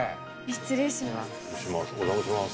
失礼します。